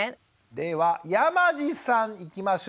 では山地さんいきましょうか。